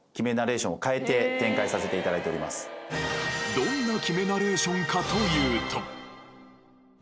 どんな決めナレーションかというと。